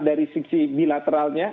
dari sisi bilateralnya